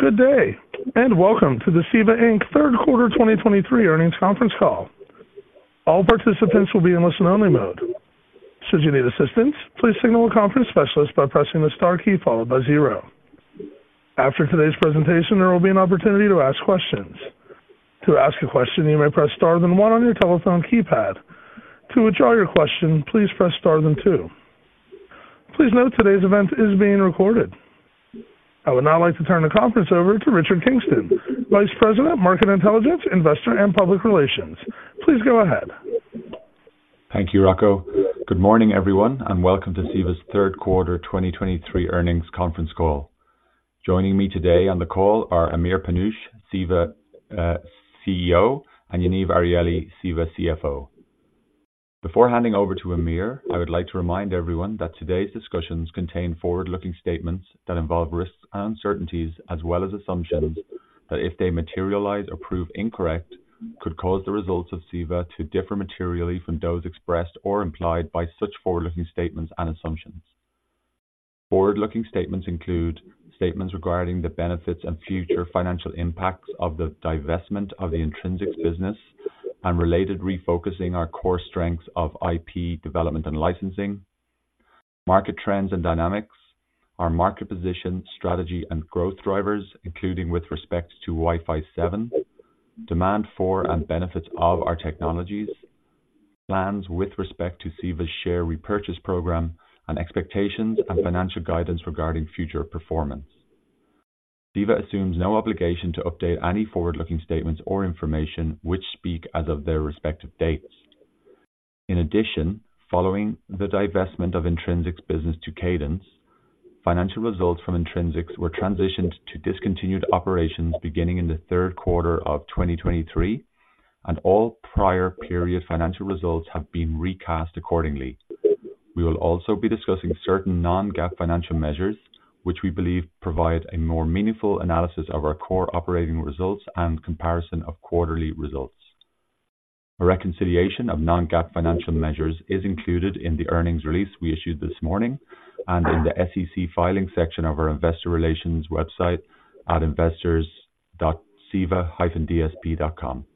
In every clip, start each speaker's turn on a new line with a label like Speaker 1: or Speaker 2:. Speaker 1: Good day, and welcome to the CEVA, Inc. third quarter 2023 earnings conference call. All participants will be in listen-only mode. Should you need assistance, please signal a conference specialist by pressing the star key followed by zero. After today's presentation, there will be an opportunity to ask questions. To ask a question, you may press star then one on your telephone keypad. To withdraw your question, please press star then two. Please note, today's event is being recorded. I would now like to turn the conference over to Richard Kingston, Vice President, Market Intelligence, Investor, and Public Relations. Please go ahead.
Speaker 2: Thank you, Rocco. Good morning, everyone, and welcome to CEVA's third quarter 2023 earnings conference call. Joining me today on the call are Amir Panush, CEVA CEO, and Yaniv Arieli, CEVA CFO. Before handing over to Amir, I would like to remind everyone that today's discussions contain forward-looking statements that involve risks and uncertainties, as well as assumptions that, if they materialize or prove incorrect, could cause the results of CEVA to differ materially from those expressed or implied by such forward-looking statements and assumptions. Forward-looking statements include statements regarding the benefits and future financial impacts of the divestment of the Intrinsix business and related refocusing our core strengths of IP development and licensing, market trends and dynamics, our market position, strategy, and growth drivers, including with respect to Wi-Fi 7, demand for and benefits of our technologies, plans with respect to CEVA's share repurchase program, and expectations and financial guidance regarding future performance. CEVA assumes no obligation to update any forward-looking statements or information which speak as of their respective dates. In addition, following the divestment of Intrinsix business to Cadence, financial results from Intrinsix were transitioned to discontinued operations beginning in the third quarter of 2023, and all prior period financial results have been recast accordingly. We will also be discussing certain Non-GAAP financial measures, which we believe provide a more meaningful analysis of our core operating results and comparison of quarterly results. A reconciliation of Non-GAAP financial measures is included in the earnings release we issued this morning and in the SEC filing section of our investor relations website at investors.ceva-dsp.com.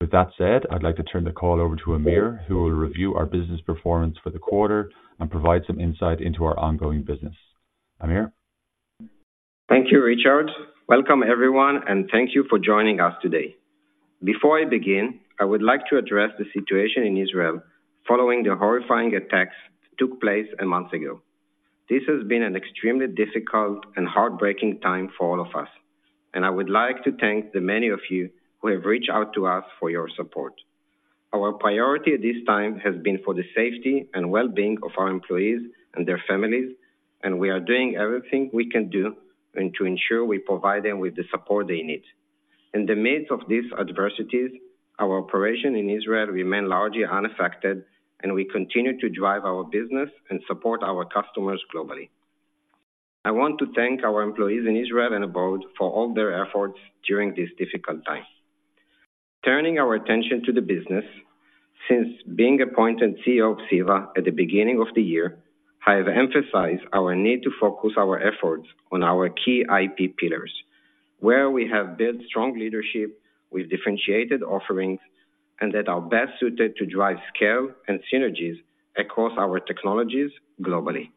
Speaker 2: With that said, I'd like to turn the call over to Amir, who will review our business performance for the quarter and provide some insight into our ongoing business. Amir?
Speaker 3: Thank you, Richard. Welcome, everyone, and thank you for joining us today. Before I begin, I would like to address the situation in Israel following the horrifying attacks that took place a month ago. This has been an extremely difficult and heartbreaking time for all of us, and I would like to thank the many of you who have reached out to us for your support. Our priority at this time has been for the safety and well-being of our employees and their families, and we are doing everything we can do and to ensure we provide them with the support they need. In the midst of these adversities, our operation in Israel remain largely unaffected, and we continue to drive our business and support our customers globally. I want to thank our employees in Israel and abroad for all their efforts during this difficult time. Turning our attention to the business, since being appointed CEO of CEVA at the beginning of the year, I have emphasized our need to focus our efforts on our key IP pillars, where we have built strong leadership with differentiated offerings and that are best suited to drive scale and synergies across our technologies globally.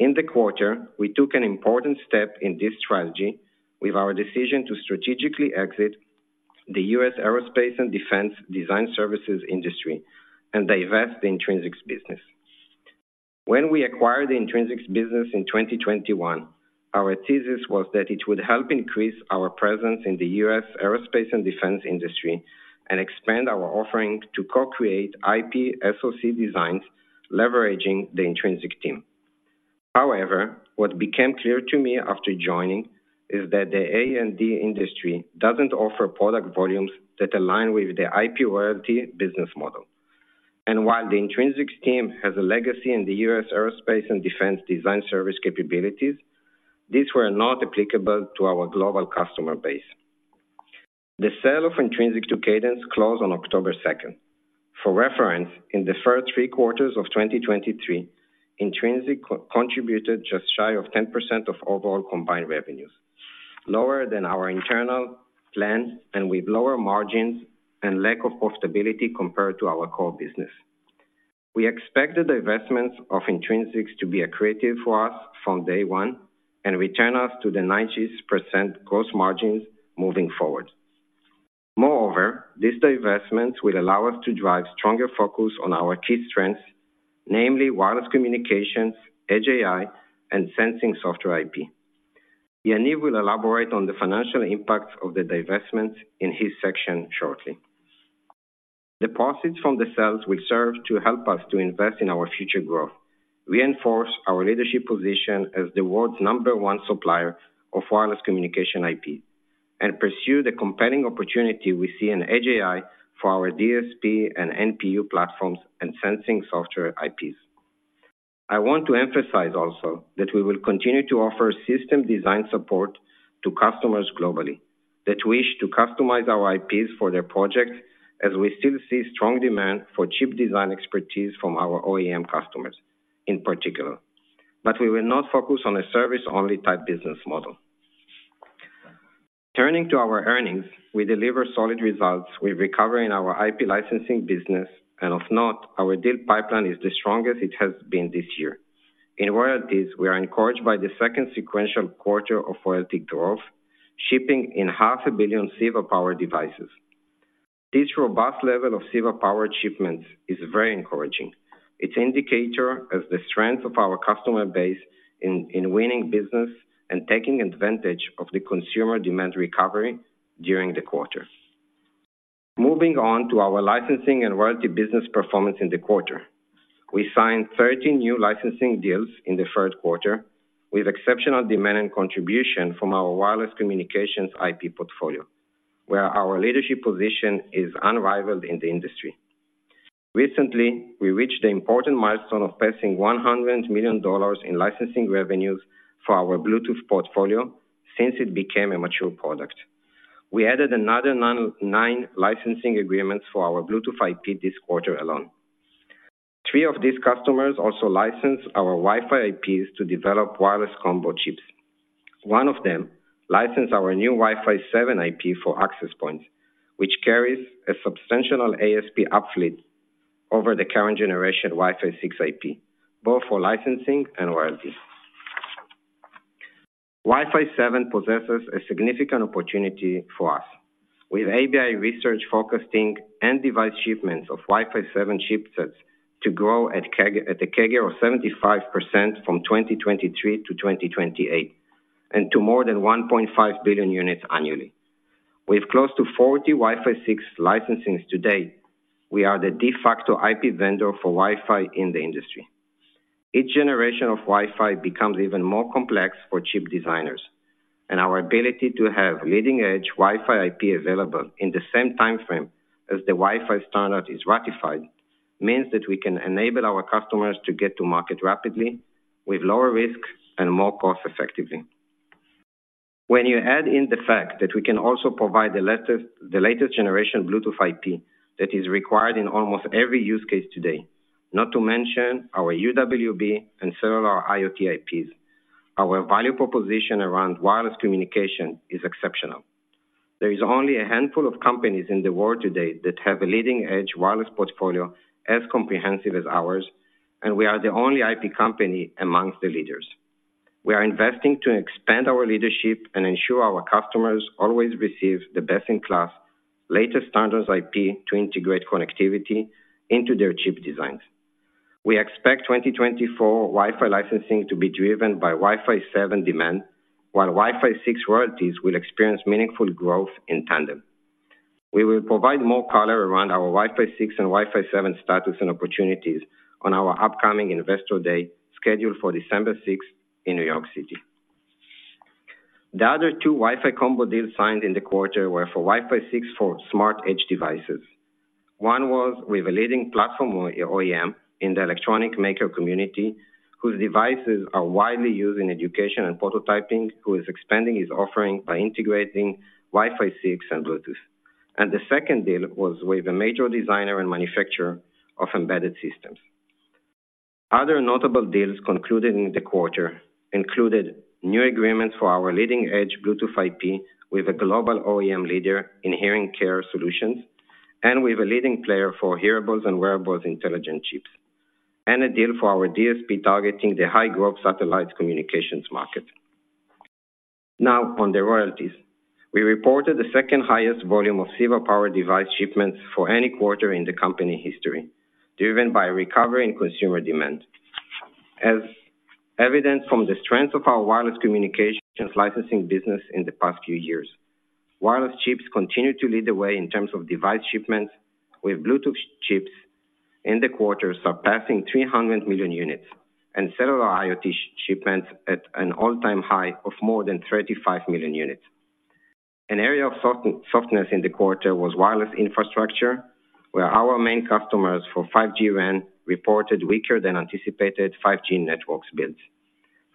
Speaker 3: In the quarter, we took an important step in this strategy with our decision to strategically exit the U.S. Aerospace and Defense Design Services industry and divest the Intrinsix business. When we acquired the Intrinsix business in 2021, our thesis was that it would help increase our presence in the U.S. Aerospace and Defense industry and expand our offering to co-create IP SoC designs, leveraging the Intrinsix team. However, what became clear to me after joining is that the A&D industry doesn't offer product volumes that align with the IP royalty business model. While the Intrinsix team has a legacy in the U.S. Aerospace and Defense design service capabilities, these were not applicable to our global customer base. The sale of Intrinsix to Cadence closed on October 2nd. For reference, in the first three quarters of 2023, Intrinsix co-contributed just shy of 10% of overall combined revenues, lower than our internal plans and with lower margins and lack of profitability compared to our core business. We expect the divestments of Intrinsix to be accretive for us from day one and return us to the 90% gross margins moving forward. Moreover, this divestment will allow us to drive stronger focus on our key strengths, namely wireless communications, Edge AI, and sensing software IP. Yaniv will elaborate on the financial impacts of the divestment in his section shortly. The proceeds from the sales will serve to help us to invest in our future growth, reinforce our leadership position as the world's number one supplier of wireless communication IP, and pursue the compelling opportunity we see in Edge AI for our DSP and NPU platforms and sensing software IPs. I want to emphasize also that we will continue to offer system design support to customers globally, that wish to customize our IPs for their projects, as we still see strong demand for chip design expertise from our OEM customers... in particular, but we will not focus on a service-only type business model. Turning to our earnings, we delivered solid results with recovery in our IP licensing business, and of note, our deal pipeline is the strongest it has been this year. In royalties, we are encouraged by the second sequential quarter of royalty growth, shipping 500 million CEVA-powered devices. This robust level of CEVA-powered shipments is very encouraging. It's indicator of the strength of our customer base in winning business and taking advantage of the consumer demand recovery during the quarter. Moving on to our licensing and royalty business performance in the quarter. We signed 13 new licensing deals in the third quarter, with exceptional demand and contribution from our wireless communications IP portfolio, where our leadership position is unrivaled in the industry. Recently, we reached the important milestone of passing $100 million in licensing revenues for our Bluetooth portfolio since it became a mature product. We added another 9 licensing agreements for our Bluetooth IP this quarter alone. Three of these customers also licensed our Wi-Fi IPs to develop wireless combo chips. One of them licensed our new Wi-Fi 7 IP for access points, which carries a substantial ASP uplift over the current generation Wi-Fi 6 IP, both for licensing and royalties. Wi-Fi 7 possesses a significant opportunity for us. With ABI Research forecasting end device shipments of Wi-Fi 7 chipsets to grow at a CAGR of 75% from 2023 to 2028, and to more than 1.5 billion units annually. With close to 40 Wi-Fi 6 licensings to date, we are the de facto IP vendor for Wi-Fi in the industry. Each generation of Wi-Fi becomes even more complex for chip designers, and our ability to have leading-edge Wi-Fi IP available in the same timeframe as the Wi-Fi standard is ratified, means that we can enable our customers to get to market rapidly, with lower risk and more cost effectively. When you add in the fact that we can also provide the latest generation Bluetooth IP that is required in almost every use case today, not to mention our UWB and cellular IoT IPs, our value proposition around wireless communication is exceptional. There is only a handful of companies in the world today that have a leading-edge wireless portfolio as comprehensive as ours, and we are the only IP company amongst the leaders. We are investing to expand our leadership and ensure our customers always receive the best-in-class, latest standards IP to integrate connectivity into their chip designs. We expect 2024 Wi-Fi licensing to be driven by Wi-Fi 7 demand, while Wi-Fi 6 royalties will experience meaningful growth in tandem. We will provide more color around our Wi-Fi 6 and Wi-Fi 7 status and opportunities on our upcoming Investor Day, scheduled for December sixth in New York City. The other two Wi-Fi combo deals signed in the quarter were for Wi-Fi 6 for smart edge devices. One was with a leading platform OEM in the electronic maker community, whose devices are widely used in education and prototyping, who is expanding his offering by integrating Wi-Fi 6 and Bluetooth. The second deal was with a major designer and manufacturer of embedded systems. Other notable deals concluded in the quarter included new agreements for our leading-edge Bluetooth IP with a global OEM leader in hearing care solutions, and with a leading player for hearables and wearables intelligent chips, and a deal for our DSP targeting the high-growth satellite communications market. Now, on the royalties. We reported the second highest volume of CEVE-powered device shipments for any quarter in the company history, driven by a recovery in consumer demand. As evident from the strength of our wireless communications licensing business in the past few years, wireless chips continued to lead the way in terms of device shipments, with Bluetooth chips in the quarter surpassing 300 million units, and cellular IoT shipments at an all-time high of more than 35 million units. An area of softness in the quarter was wireless infrastructure, where our main customers for 5G RAN reported weaker than anticipated 5G networks builds.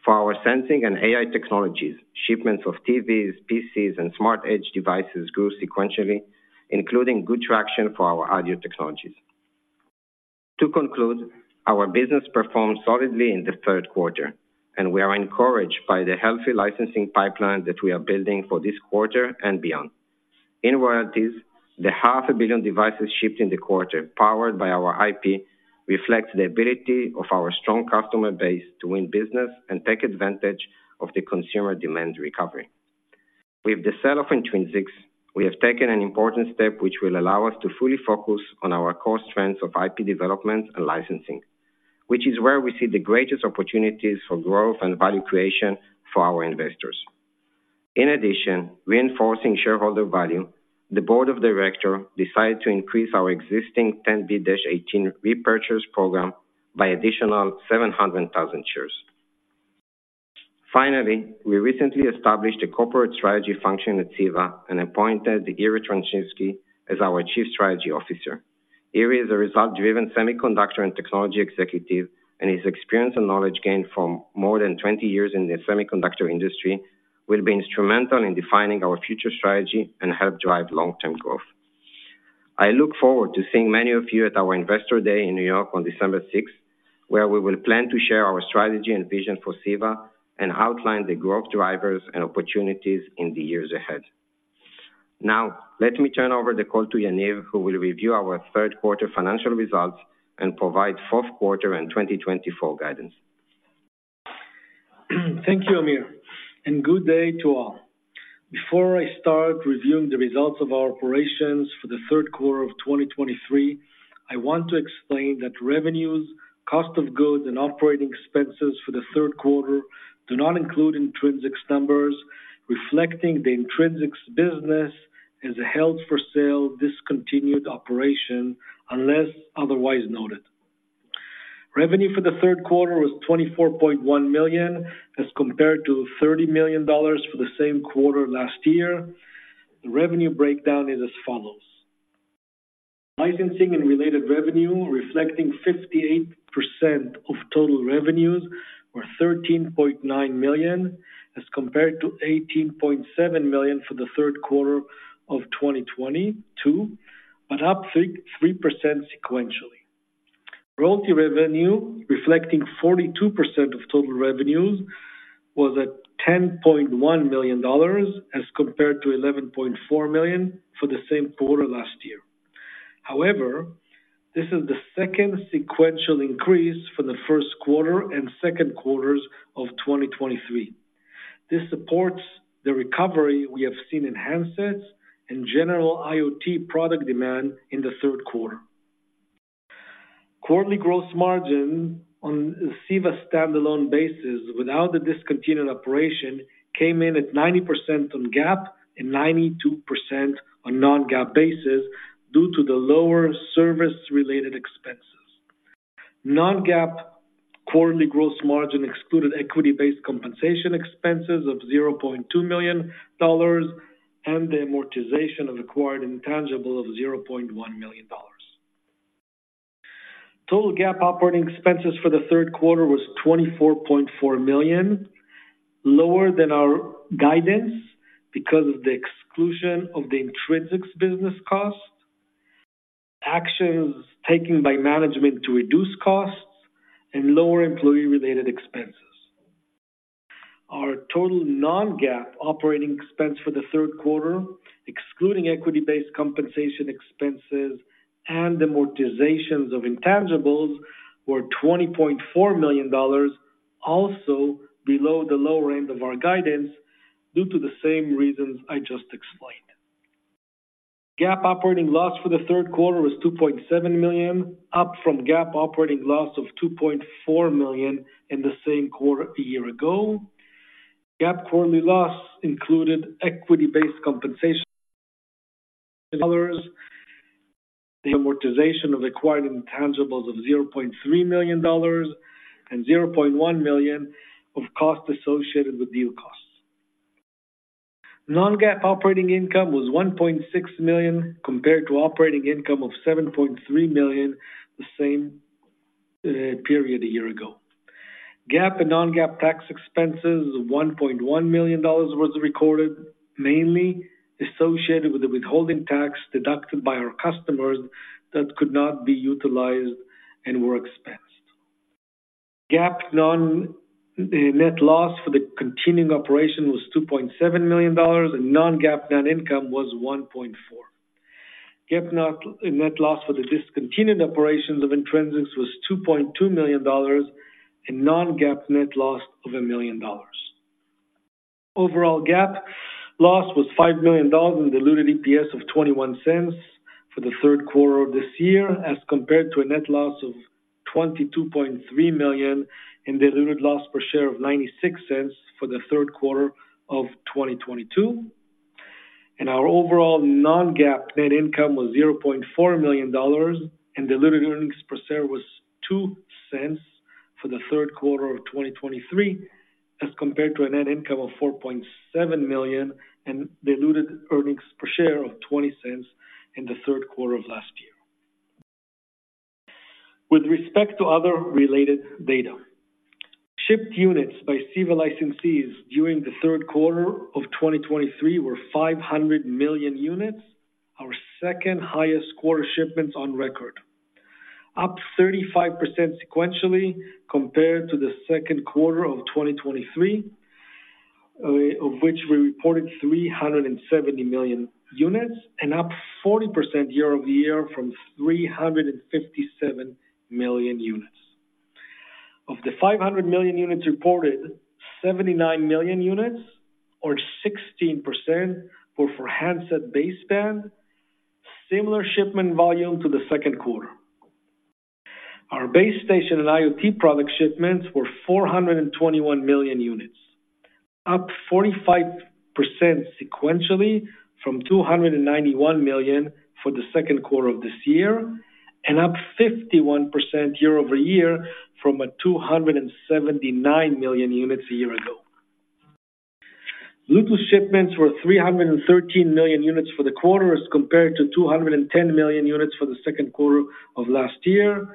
Speaker 3: For our sensing and AI technologies, shipments of TVs, PCs, and smart edge devices grew sequentially, including good traction for our audio technologies. To conclude, our business performed solidly in the third quarter, and we are encouraged by the healthy licensing pipeline that we are building for this quarter and beyond. In royalties, the 500 million devices shipped in the quarter, powered by our IP, reflects the ability of our strong customer base to win business and take advantage of the consumer demand recovery. With the sell-off in Intrinsix, we have taken an important step, which will allow us to fully focus on our core strengths of IP development and licensing, which is where we see the greatest opportunities for growth and value creation for our investors. In addition, reinforcing shareholder value, the board of directors decided to increase our existing 10b-18 repurchase program by an additional 700,000 shares. Finally, we recently established a corporate strategy function at CEVA and appointed Iri Trashanski as our Chief Strategy Officer. Iri is a result-driven semiconductor and technology executive, and his experience and knowledge gained from more than 20 years in the semiconductor industry will be instrumental in defining our future strategy and help drive long-term growth. I look forward to seeing many of you at our Investor Day in New York on December sixth, where we will plan to share our strategy and vision for CEVA and outline the growth drivers and opportunities in the years ahead. Now, let me turn over the call to Yaniv, who will review our third quarter financial results and provide fourth quarter and 2024 guidance.
Speaker 4: Thank you, Amir, and good day to all. Before I start reviewing the results of our operations for the third quarter of 2023, I want to explain that revenues, cost of goods, and operating expenses for the third quarter do not include Intrinsix's numbers, reflecting Intrinsix's business as a held-for-sale discontinued operation, unless otherwise noted. Revenue for the third quarter was $24.1 million, as compared to $30 million for the same quarter last year. The revenue breakdown is as follows: licensing and related revenue, reflecting 58% of total revenues, were $13.9 million, as compared to $18.7 million for the third quarter of 2022, but up 3% sequentially. Royalty revenue, reflecting 42% of total revenues, was at $10.1 million, as compared to $11.4 million for the same quarter last year. However, this is the second sequential increase from the first quarter and second quarters of 2023. This supports the recovery we have seen in handsets and general IoT product demand in the third quarter. Quarterly gross margin on CEVA standalone basis, without the discontinued operation, came in at 90% on GAAP and 92% on non-GAAP basis, due to the lower service-related expenses. Non-GAAP quarterly gross margin excluded equity-based compensation expenses of $0.2 million and the amortization of acquired intangible of $0.1 million. Total GAAP operating expenses for the third quarter was $24.4 million, lower than our guidance because of the exclusion of the Intrinsix's business cost, actions taken by management to reduce costs, and lower employee-related expenses. Our total Non-GAAP operating expense for the third quarter, excluding equity-based compensation expenses and amortizations of intangibles, were $20.4 million, also below the low range of our guidance, due to the same reasons I just explained. GAAP operating loss for the third quarter was $2.7 million, up from GAAP operating loss of $2.4 million in the same quarter a year ago. GAAP quarterly loss included equity-based compensation dollars, the amortization of acquired intangibles of $0.3 million, and $0.1 million of costs associated with deal costs. Non-GAAP operating income was $1.6 million, compared to operating income of $7.3 million the same period a year ago. GAAP and Non-GAAP tax expenses of $1.1 million was recorded, mainly associated with the withholding tax deducted by our customers that could not be utilized and were expensed. GAAP net loss for the continuing operation was $2.7 million, and Non-GAAP net income was $1.4 million. GAAP net loss for the discontinued operations of Intrinsix was $2.2 million, and Non-GAAP net loss of $1 million. Overall, GAAP loss was $5 million and diluted EPS of $0.21 for the third quarter of this year, as compared to a net loss of $22.3 million and diluted loss per share of $0.96 for the third quarter of 2022. Our overall Non-GAAP net income was $0.4 million, and diluted earnings per share was $0.02 for the third quarter of 2023, as compared to a net income of $4.7 million and diluted earnings per share of $0.20 in the third quarter of last year. With respect to other related data, shipped units by CEVA licensees during the third quarter of 2023 were 500 million units, our second-highest quarter shipments on record, up 35% sequentially compared to the second quarter of 2023, of which we reported 370 million units, and up 40% year-over-year from 357 million units. Of the 500 million units reported, 79 million units or 16%, were for handset baseband. Similar shipment volume to the second quarter. Our base station and IoT product shipments were 421 million units, up 45% sequentially from 291 million for the second quarter of this year, and up 51% year-over-year from a 279 million units a year ago. Bluetooth shipments were 313 million units for the quarter, as compared to 210 million units for the second quarter of last year...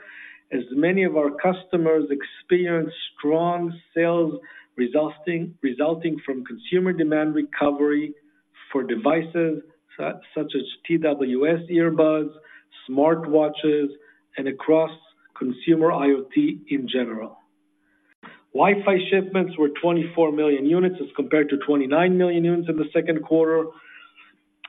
Speaker 4: as many of our customers experienced strong sales, resulting from consumer demand recovery for devices such as TWS earbuds, smartwatches, and across consumer IoT in general. Wi-Fi shipments were 24 million units as compared to 29 million units in the second quarter,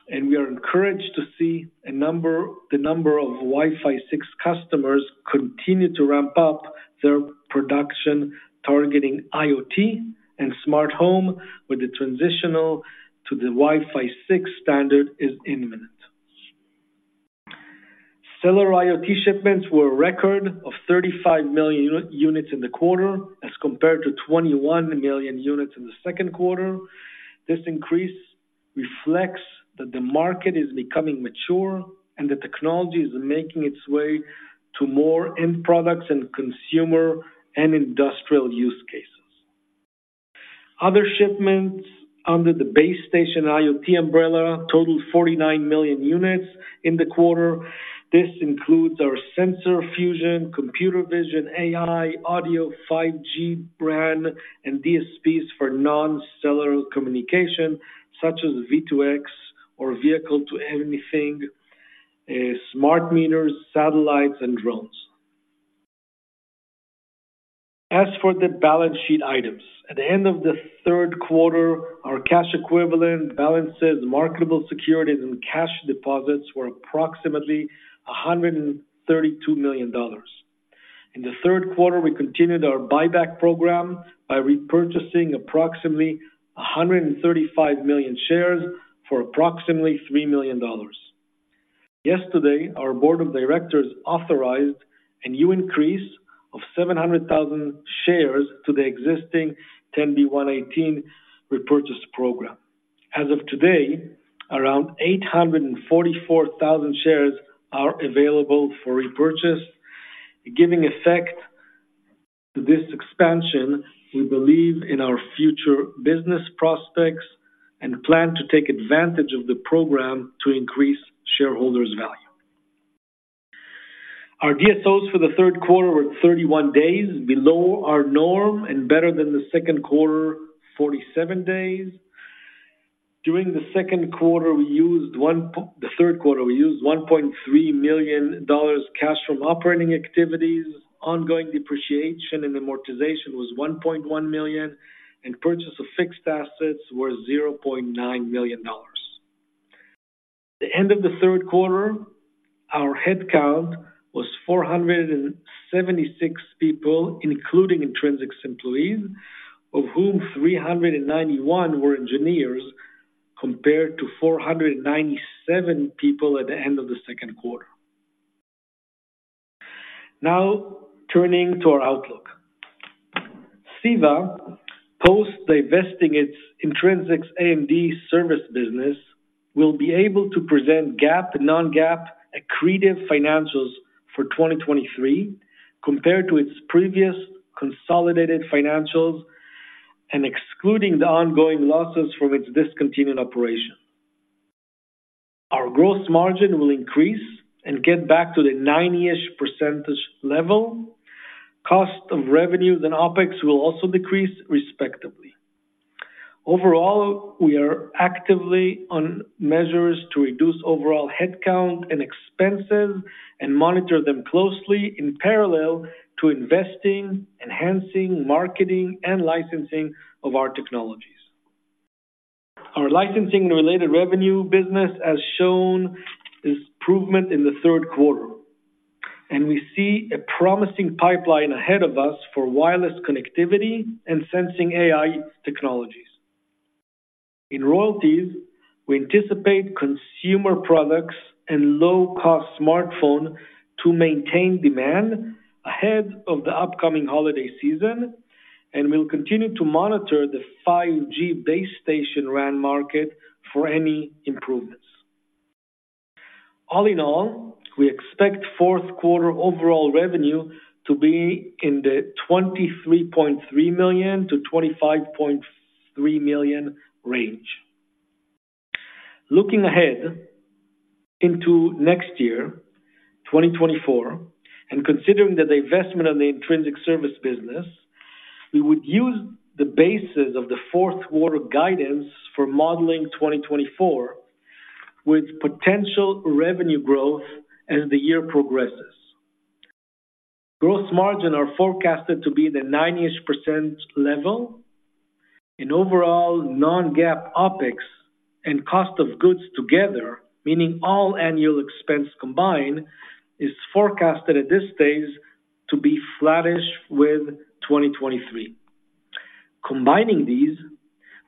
Speaker 4: and we are encouraged to see a number—the number of Wi-Fi 6 customers continue to ramp up their production, targeting IoT and smart home, where the transition to the Wi-Fi 6 standard is imminent. Cellular IoT shipments were a record of 35 million units in the quarter, as compared to 21 million units in the second quarter. This increase reflects that the market is becoming mature and the technology is making its way to more end products and consumer and industrial use cases. Other shipments under the base station IoT umbrella totaled 49 million units in the quarter. This includes our sensor fusion, computer vision, AI, audio, 5G RAN, and DSPs for non-cellular communication, such as V2X or vehicle to anything, smart meters, satellites, and drones. As for the balance sheet items, at the end of the third quarter, our cash equivalent balances, marketable securities, and cash deposits were approximately $132 million. In the third quarter, we continued our buyback program by repurchasing approximately 135 million shares for approximately $3 million. Yesterday, our board of directors authorized a new increase of 700,000 shares to the existing 10b-18 repurchase program. As of today, around 844,000 shares are available for repurchase. Giving effect to this expansion, we believe in our future business prospects and plan to take advantage of the program to increase shareholders value. Our DSOs for the third quarter were 31 days, below our norm and better than the second quarter, 47 days. During the third quarter, we used $1.3 million cash from operating activities. Ongoing depreciation and amortization was $1.1 million, and purchase of fixed assets were $0.9 million. At the end of the third quarter, our headcount was 476 people, including Intrinsix employees, of whom 391 were engineers, compared to 497 people at the end of the second quarter. Now, turning to our outlook. CEVA, post-divesting its Intrinsix and service business, will be able to present GAAP and Non-GAAP accretive financials for 2023, compared to its previous consolidated financials and excluding the ongoing losses from its discontinued operation. Our gross margin will increase and get back to the 90%-ish level. Cost of revenues and OpEx will also decrease respectively. Overall, we are actively on measures to reduce overall headcount and expenses and monitor them closely in parallel to investing, enhancing, marketing and licensing of our technologies. Our licensing and related revenue business as shown, is improvement in the third quarter, and we see a promising pipeline ahead of us for wireless connectivity and sensing AI technologies. In royalties, we anticipate consumer products and low-cost smartphone to maintain demand ahead of the upcoming holiday season, and we'll continue to monitor the 5G base station RAN market for any improvements. All in all, we expect fourth quarter overall revenue to be in the $23.3 million-$25.3 million range. Looking ahead into next year, 2024, and considering that the investment on the Intrinsix service business, we would use the basis of the fourth quarter guidance for modeling 2024, with potential revenue growth as the year progresses. Gross margin is forecasted to be the 90-ish% level, and overall, Non-GAAP, OpEx and cost of goods together, meaning all annual expense combined, is forecasted at this stage to be flattish with 2023. Combining these,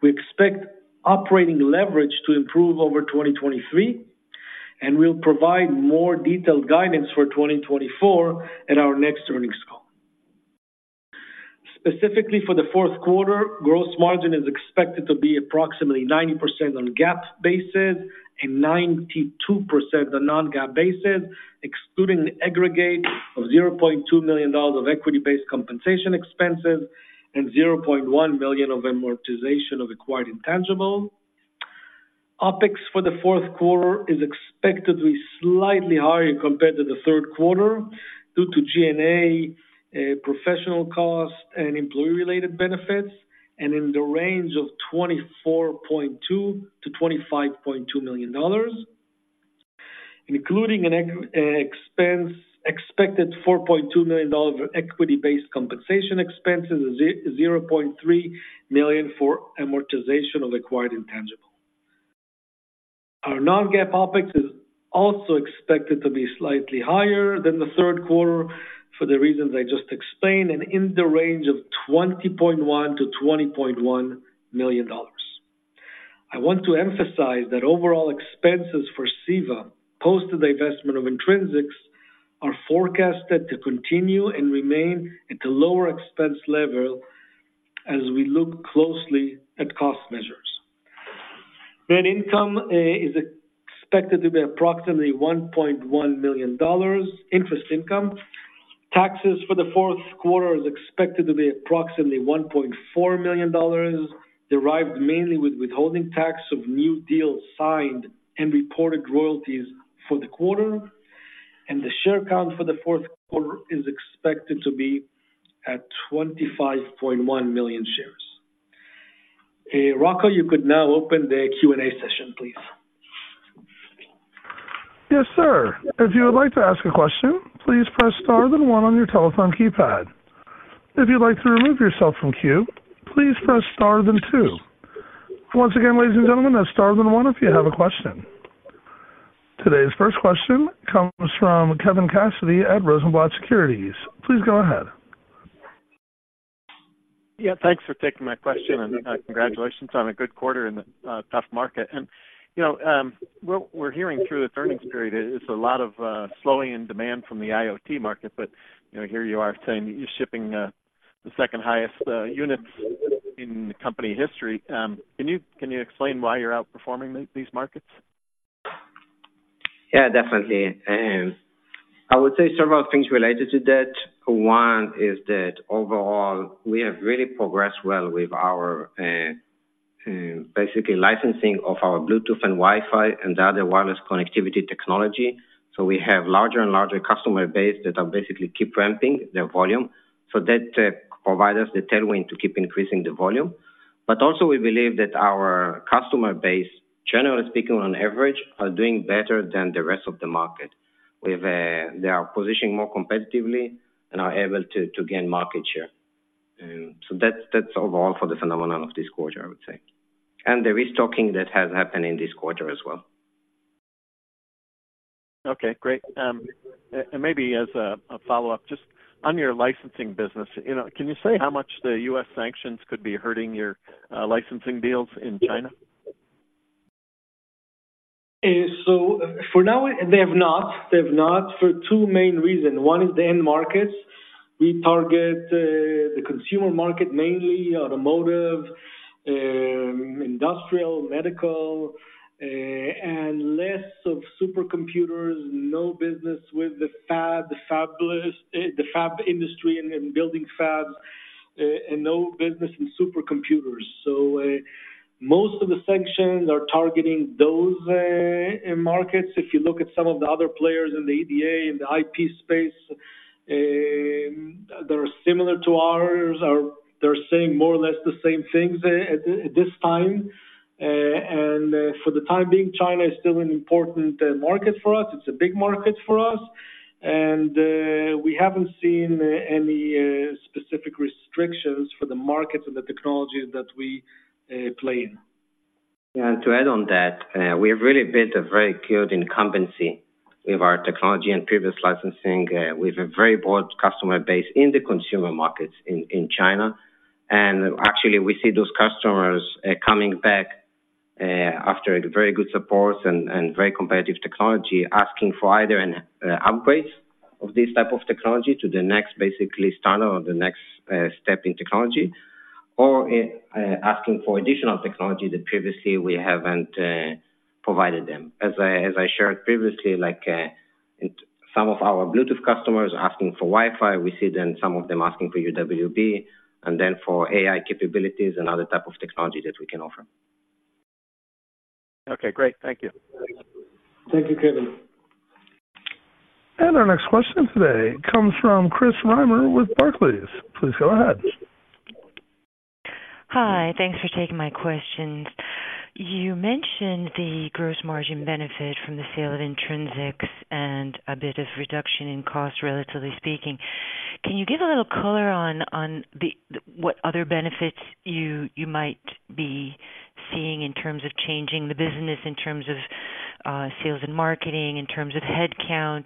Speaker 4: we expect operating leverage to improve over 2023, and we'll provide more detailed guidance for 2024 at our next earnings call. Specifically for the fourth quarter, gross margin is expected to be approximately 90% on GAAP basis and 92% on Non-GAAP basis, excluding an aggregate of $0.2 million of equity-based compensation expenses and $0.1 million of amortization of acquired intangibles. OpEx for the fourth quarter is expected to be slightly higher compared to the third quarter, due to G&A, professional costs, and employee-related benefits, and in the range of $24.2 million-$25.2 million, including an expense expected $4.2 million of equity-based compensation expenses, $0.3 million for amortization of acquired intangibles. Our Non-GAAP OpEx is also expected to be slightly higher than the third quarter for the reasons I just explained, and in the range of $20.1 million-$21.1 million. I want to emphasize that overall expenses for CEVA, post the divestment of Intrinsix, are forecasted to continue and remain at a lower expense level as we look closely at cost measures. Net income is expected to be approximately $1.1 million, interest income. Taxes for the fourth quarter are expected to be approximately $1.4 million, derived mainly with withholding tax of new deals signed and reported royalties for the quarter. The share count for the fourth quarter is expected to be at 25.1 million shares. Rocco, you could now open the Q&A session, please.
Speaker 1: Yes, sir. If you would like to ask a question, please press star then one on your telephone keypad. If you'd like to remove yourself from queue, please press star then two. Once again, ladies and gentlemen, press star then one if you have a question. Today's first question comes from Kevin Cassidy at Rosenblatt Securities. Please go ahead.
Speaker 5: Yeah, thanks for taking my question, and, congratulations on a good quarter in a tough market. You know, what we're hearing through this earnings period is a lot of slowing in demand from the IoT market, but, you know, here you are saying that you're shipping the second highest units in company history. Can you explain why you're outperforming these markets?
Speaker 3: Yeah, definitely. And I would say several things related to that. One is that overall, we have really progressed well with our basically licensing of our Bluetooth and Wi-Fi and other wireless connectivity technology. So we have larger and larger customer base that are basically keep ramping their volume. So that provide us the tailwind to keep increasing the volume. But also, we believe that our customer base, generally speaking, on average, are doing better than the rest of the market. They are positioning more competitively and are able to, to gain market share. So that's, that's overall for the phenomenon of this quarter, I would say. And the restocking that has happened in this quarter as well.
Speaker 5: Okay, great. Maybe as a follow-up, just on your licensing business, you know, can you say how much the U.S. sanctions could be hurting your licensing deals in China?
Speaker 4: So for now, they have not. They have not for two main reasons. One is the end markets. We target the consumer market, mainly automotive, industrial, medical, and less of supercomputers, no business with the fab, the fabless, the fab industry and building fabs, and no business in supercomputers. So most of the sanctions are targeting those markets. If you look at some of the other players in the EDA, in the IP space, they're similar to ours, or they're saying more or less the same things at this time. And for the time being, China is still an important market for us. It's a big market for us, and we haven't seen any specific restrictions for the markets or the technologies that we play in.
Speaker 3: And to add on that, we have really built a very good incumbency with our technology and previous licensing, with a very broad customer base in the consumer markets in, in China. Actually, we see those customers coming back after a very good support and very competitive technology, asking for either an upgrade of this type of technology to the next, basically, standard or the next step in technology, or asking for additional technology that previously we haven't provided them. As I shared previously, like, some of our Bluetooth customers are asking for Wi-Fi. We see then some of them asking for UWB, and then for AI capabilities and other type of technology that we can offer.
Speaker 5: Okay, great. Thank you.
Speaker 4: Thank you, Kevin.
Speaker 1: Our next question today comes from Chris Reimer with Barclays. Please go ahead.
Speaker 6: Hi. Thanks for taking my questions. You mentioned the gross margin benefit from the sale of Intrinsix and a bit of reduction in cost, relatively speaking. Can you give a little color on what other benefits you might be seeing in terms of changing the business, in terms of sales and marketing, in terms of headcount,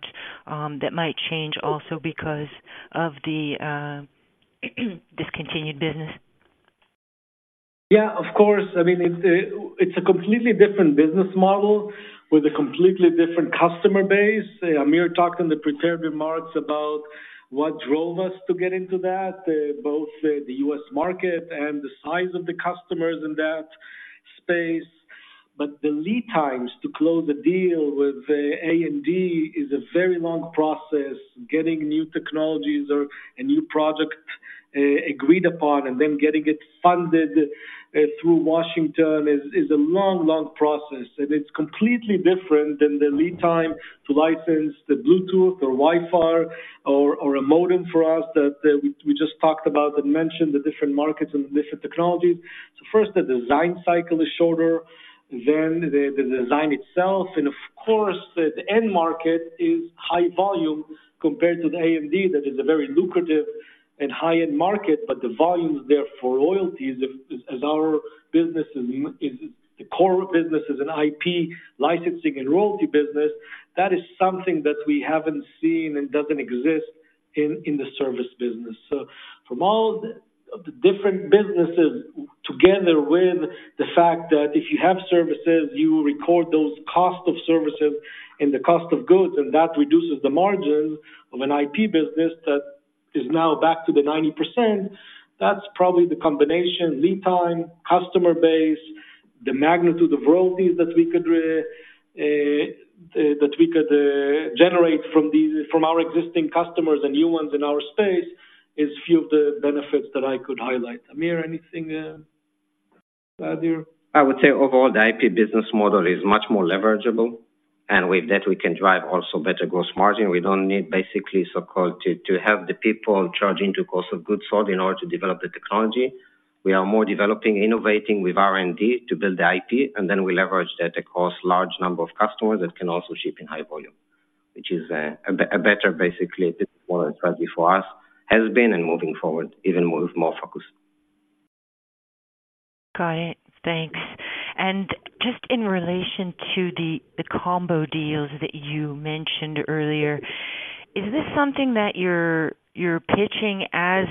Speaker 6: that might change also because of the discontinued business?
Speaker 4: Yeah, of course. I mean, it's a completely different business model with a completely different customer base. Amir talked in the prepared remarks about what drove us to get into that, both the US market and the size of the customers in that space. But the lead times to close a deal with A&D is a very long process. Getting new technologies or a new project agreed upon and then getting it funded through Washington is a long, long process, and it's completely different than the lead time to license the Bluetooth or Wi-Fi or a modem for us that we just talked about and mentioned the different markets and different technologies. So first, the design cycle is shorter, then the design itself, and of course, the end market is high volume compared to the A&D. That is a very lucrative and high-end market, but the volumes there for royalties, if as our business is, is the core business, is an IP licensing and royalty business, that is something that we haven't seen and doesn't exist in, in the service business. So from all the, of the different businesses, together with the fact that if you have services, you will record those cost of services and the cost of goods, and that reduces the margins of an IP business that is now back to the 90%. That's probably the combination, lead time, customer base, the magnitude of royalties that we could, that we could, generate from these, from our existing customers and new ones in our space, is few of the benefits that I could highlight. Amir, anything, to add here?
Speaker 3: I would say overall, the IP business model is much more leverageable, and with that, we can drive also better gross margin. We don't need basically so-called to have the people charging to cost of goods sold in order to develop the technology. We are more developing, innovating with R&D to build the IP, and then we leverage that across large number of customers that can also ship in high volume, which is a better, basically, more strategy for us, has been and moving forward, even more focused.
Speaker 6: Got it. Thanks. Just in relation to the combo deals that you mentioned earlier, is this something that you're pitching as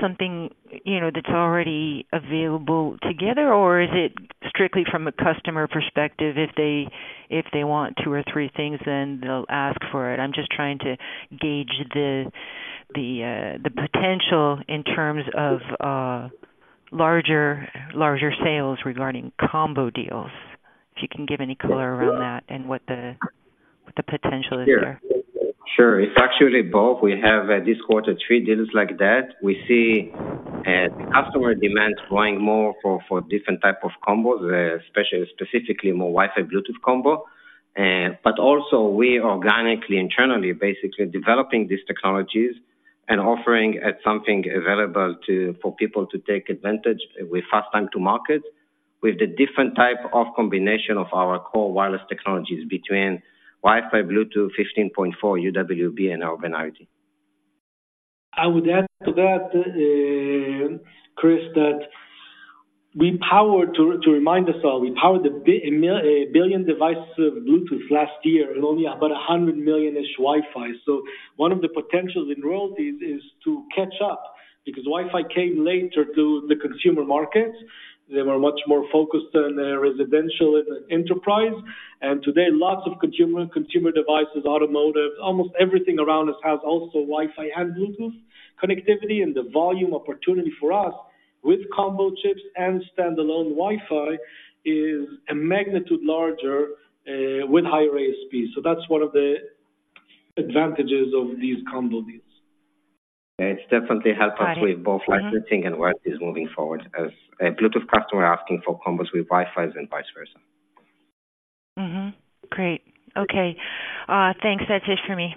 Speaker 6: something, you know, that's already available together, or is it strictly from a customer perspective, if they want two or three things, then they'll ask for it? I'm just trying to gauge the potential in terms of larger sales regarding combo deals. If you can give any color around that and what the potential is there.
Speaker 3: Sure. It's actually both. We have this quarter three deals like that. We see customer demand growing more for different type of combos, especially specifically more Wi-Fi Bluetooth combo. But also we organically internally basically developing these technologies and offering at something available to for people to take advantage with fast time to market with the different type of combination of our core wireless technologies between Wi-Fi Bluetooth 15.4 UWB and NB-IoT.
Speaker 4: I would add to that, Chris, that we power to remind us all, we powered 1 billion devices of Bluetooth last year and only about 100 million-ish Wi-Fi. So one of the potentials in royalties is to catch up, because Wi-Fi came later to the consumer markets. They were much more focused on the residential enterprise, and today lots of consumer devices, automotive, almost everything around us has also Wi-Fi and Bluetooth connectivity. And the volume opportunity for us with combo chips and standalone Wi-Fi is a magnitude larger, with higher ASP. So that's one of the advantages of these combo deals.
Speaker 3: It's definitely helpful with both licensing and royalties moving forward, as a Bluetooth customer asking for combos with Wi-Fi and vice versa.
Speaker 6: Mm-hmm. Great. Okay, thanks. That's it for me.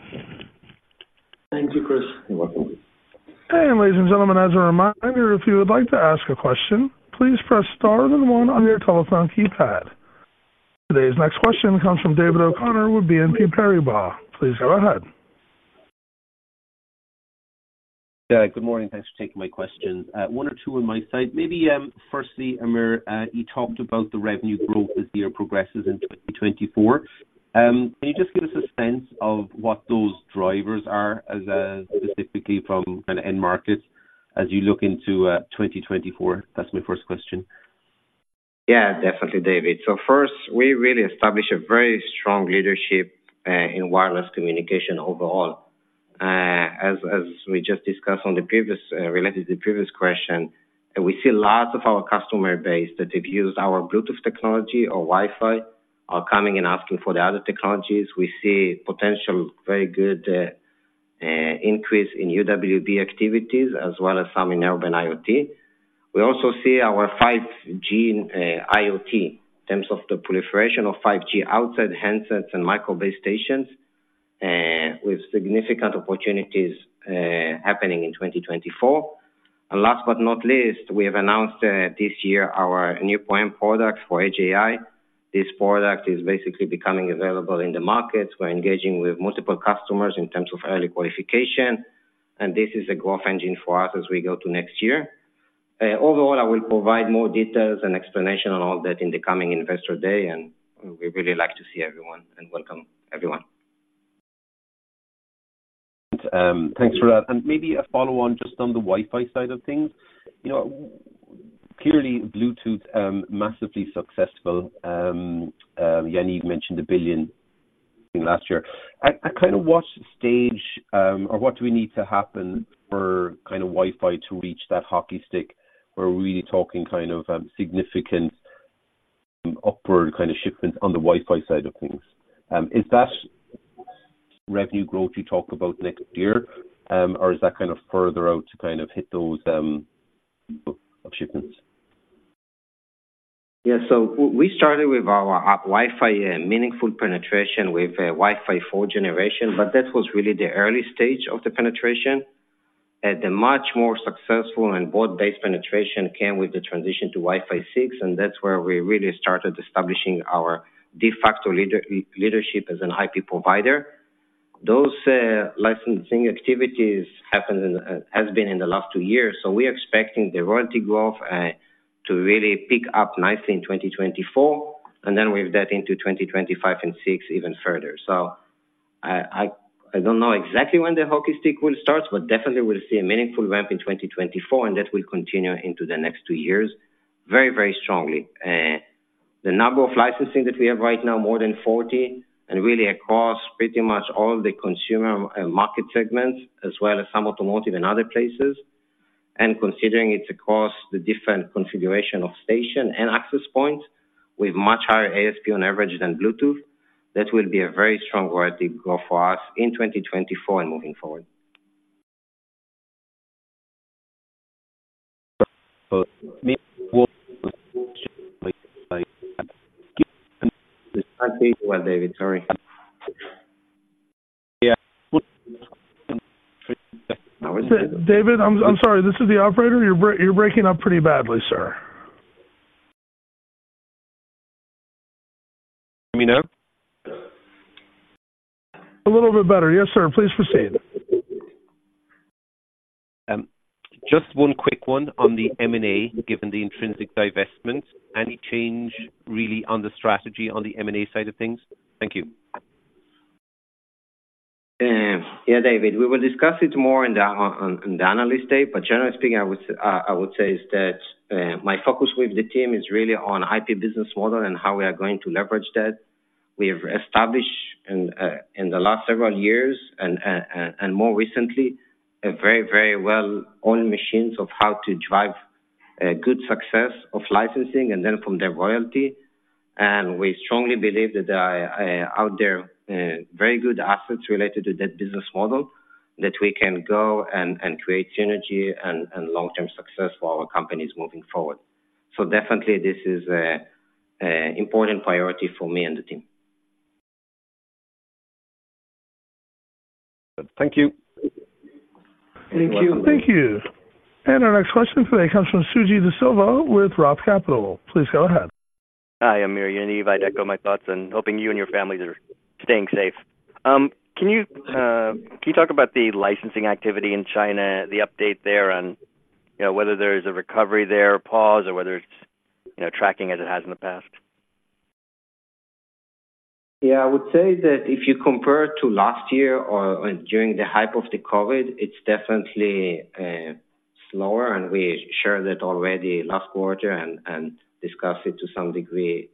Speaker 4: Thank you, Chris.
Speaker 3: You're welcome.
Speaker 1: Ladies and gentlemen, as a reminder, if you would like to ask a question, please press star then one on your telephone keypad. Today's next question comes from David O'Connor with BNP Paribas. Please go ahead.
Speaker 7: Yeah, good morning. Thanks for taking my question. One or two on my side, maybe, firstly, Amir, you talked about the revenue growth as the year progresses in 2024. Can you just give us a sense of what those drivers are as, specifically from an end market as you look into, 2024? That's my first question.
Speaker 3: Yeah, definitely, David. So first, we really establish a very strong leadership in wireless communication overall. As we just discussed on the previous related to the previous question, we see lots of our customer base that have used our Bluetooth technology or Wi-Fi are coming and asking for the other technologies. We see potential, very good, increase in UWB activities as well as some in NB-IoT. We also see our 5G IoT in terms of the proliferation of 5G outside handsets and micro base stations with significant opportunities happening in 2024. And last but not least, we have announced this year, our new IP product for AI. This product is basically becoming available in the markets. We're engaging with multiple customers in terms of early qualification, and this is a growth engine for us as we go to next year. Overall, I will provide more details and explanation on all that in the coming Investor Day, and we really like to see everyone and welcome everyone.
Speaker 7: Thanks for that. And maybe a follow-on just on the Wi-Fi side of things. You know, clearly, Bluetooth massively successful. Yaniv mentioned 1 billion last year. At what kind of stage, or what do we need to happen for Wi-Fi to reach that hockey stick, where we're really talking significant upward shipments on the Wi-Fi side of things? Is that revenue growth you talked about next year, or is that further out to hit those shipments?
Speaker 3: Yeah. So we started with our Wi-Fi meaningful penetration with Wi-Fi 4 generation, but that was really the early stage of the penetration. The much more successful and broad-based penetration came with the transition to Wi-Fi 6, and that's where we really started establishing our de facto leadership as an IP provider. Those licensing activities have been in the last two years, so we're expecting the royalty growth to really pick up nicely in 2024, and then weave that into 2025 and 2026 even further. So I don't know exactly when the hockey stick will start, but definitely we'll see a meaningful ramp in 2024, and that will continue into the next two years very, very strongly. The number of licensing that we have right now, more than 40, and really across pretty much all the consumer market segments, as well as some automotive and other places. And considering it's across the different configuration of station and access points, with much higher ASP on average than Bluetooth, that will be a very strong growth for us in 2024 and moving forward. David, sorry.
Speaker 7: Yeah.
Speaker 1: David, I'm sorry, this is the operator. You're breaking up pretty badly, sir.
Speaker 7: Let me know?
Speaker 1: A little bit better. Yes, sir. Please proceed.
Speaker 7: Just one quick one on the M&A, given the Intrinsix divestment. Any change, really, on the strategy on the M&A side of things? Thank you.
Speaker 3: Yeah, David. We will discuss it more on the analyst day, but generally speaking, I would say is that my focus with the team is really on IP business model and how we are going to leverage that. We have established in the last several years and more recently a very, very well-oiled machines of how to drive good success of licensing and then from the royalty. And we strongly believe that out there very good assets related to that business model that we can go and create synergy and long-term success for our companies moving forward. So definitely this is a important priority for me and the team.
Speaker 7: Thank you.
Speaker 3: Thank you.
Speaker 1: Thank you. And our next question today comes from Suji De Silva with Roth Capital. Please go ahead.
Speaker 8: Hi, Amir and Yaniv. I echo my thoughts and hoping you and your families are staying safe. Can you, can you talk about the licensing activity in China, the update there on, you know, whether there's a recovery there, a pause, or whether it's, you know, tracking as it has in the past?
Speaker 3: Yeah, I would say that if you compare to last year or during the height of the COVID, it's definitely slower, and we shared that already last quarter and discussed it to some degree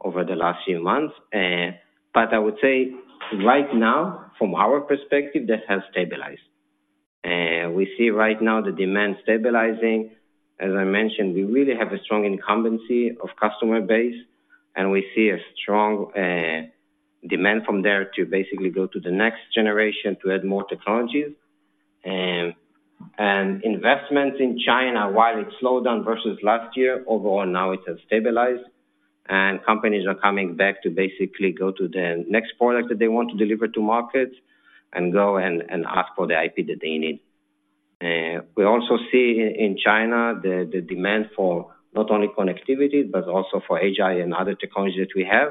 Speaker 3: over the last few months. But I would say right now, from our perspective, that has stabilized. We see right now the demand stabilizing. As I mentioned, we really have a strong incumbency of customer base, and we see a strong demand from there to basically go to the next generation to add more technologies. And investments in China, while it slowed down versus last year, overall now it has stabilized, and companies are coming back to basically go to the next product that they want to deliver to market and go and ask for the IP that they need. We also see in China the demand for not only connectivity, but also for AI and other technologies that we have.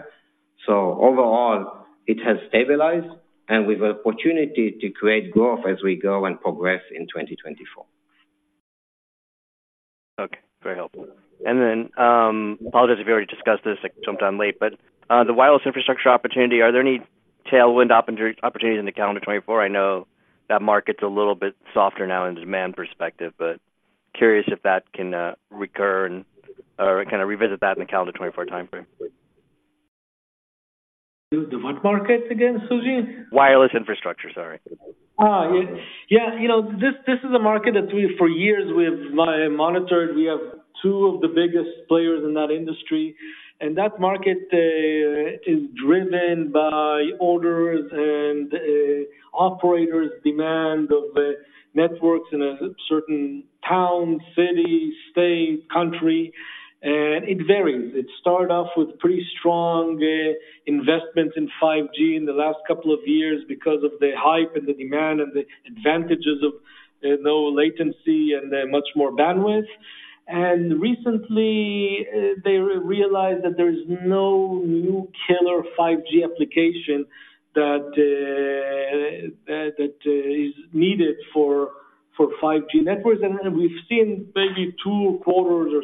Speaker 3: So overall, it has stabilized, and with the opportunity to create growth as we go and progress in 2024.
Speaker 8: Okay, very helpful. And then, apologies if you already discussed this. I jumped on late, but, the wireless infrastructure opportunity, are there any tailwind opportunities in the calendar 2024? I know that market's a little bit softer now in demand perspective, but curious if that can recur and, or kind of revisit that in the calendar 2024 time frame.
Speaker 3: The what market again, Suji?
Speaker 8: Wireless infrastructure. Sorry.
Speaker 3: Ah, yeah. You know, this is a market that we for years we've monitored. We have two of the biggest players in that industry, and that market is driven by orders and operators' demand of networks in a certain town, city, state, country; it varies. It started off with pretty strong investments in 5G in the last couple of years because of the hype and the demand and the advantages of low latency and much more bandwidth. And recently, they realized that there's no new killer 5G application that is needed for 5G networks. We've seen maybe two quarters or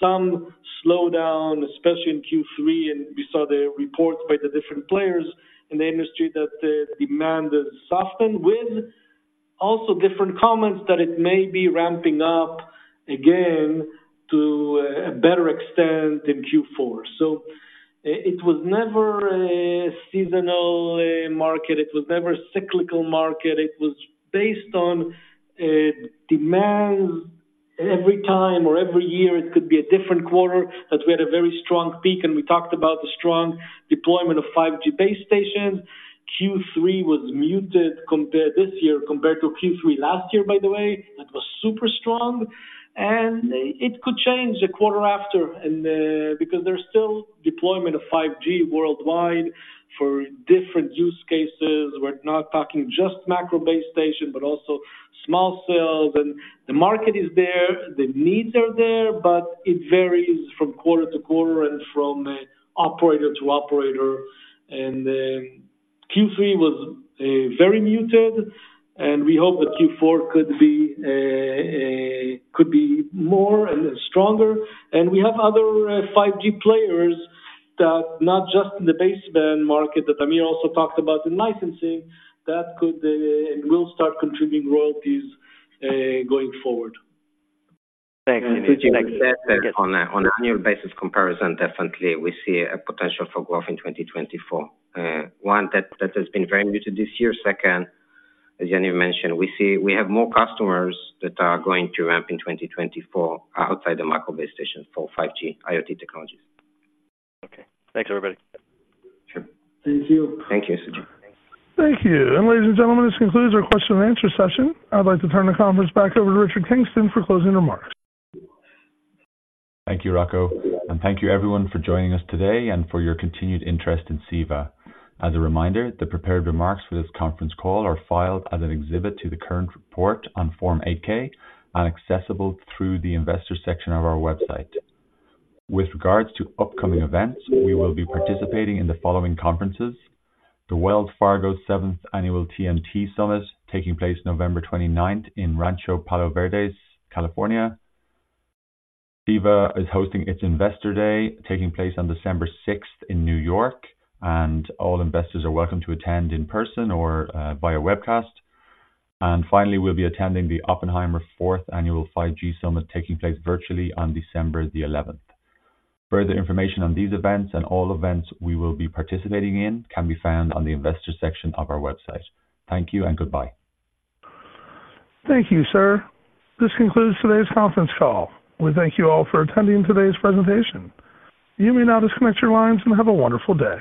Speaker 3: some slowdown, especially in Q3, and we saw the reports by the different players in the industry that the demand has softened, with also different comments that it may be ramping up again to a better extent in Q4. So it was never a seasonal market. It was never cyclical market. It was based on demands- ...
Speaker 4: Every time or every year, it could be a different quarter, but we had a very strong peak, and we talked about the strong deployment of 5G base stations. Q3 was muted compared, this year, compared to Q3 last year, by the way. That was super strong, and it could change the quarter after and, because there's still deployment of 5G worldwide for different use cases. We're not talking just macro base station, but also small cells. And the market is there, the needs are there, but it varies from quarter to quarter and from, operator to operator. And, Q3 was, very muted, and we hope that Q4 could be, could be more and stronger. We have other 5G players that not just in the baseband market, that Amir also talked about in licensing, that could and will start contributing royalties going forward.
Speaker 3: Thanks. On an annual basis comparison, definitely we see a potential for growth in 2024. One, that has been very muted this year. Second, as Yaniv mentioned, we see we have more customers that are going to ramp in 2024 outside the macro base stations for 5G IoT technologies.
Speaker 2: Okay. Thanks, everybody.
Speaker 3: Sure.
Speaker 4: Thank you.
Speaker 3: Thank you, Suji.
Speaker 1: Thank you. Ladies and gentlemen, this concludes our question and answer session. I'd like to turn the conference back over to Richard Kingston for closing remarks.
Speaker 2: Thank you, Rocco, and thank you everyone for joining us today and for your continued interest in CEVA. As a reminder, the prepared remarks for this conference call are filed as an exhibit to the current report on Form 8-K and accessible through the investor section of our website. With regards to upcoming events, we will be participating in the following conferences: The Wells Fargo Seventh Annual TMT Summit, taking place November 29th in Rancho Palos Verdes, California. CEVA is hosting its Investor Day, taking place on December 6th in New York, and all investors are welcome to attend in person or via webcast. Finally, we'll be attending the Oppenheimer Fourth Annual 5G Summit, taking place virtually on December 11th. Further information on these events and all events we will be participating in can be found on the investor section of our website. Thank you and goodbye.
Speaker 1: Thank you, sir. This concludes today's conference call. We thank you all for attending today's presentation. You may now disconnect your lines and have a wonderful day.